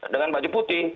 dengan baju putih